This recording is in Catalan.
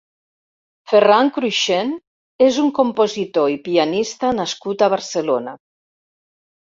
Ferran Cruixent és un compositor i pianista nascut a Barcelona.